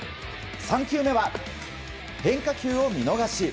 ３球目は、変化球を見逃し。